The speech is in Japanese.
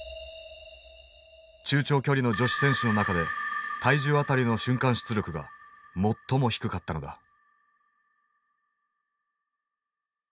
中長距離の女子選手の中で体重当たりの瞬間出力が最も低かったのだ。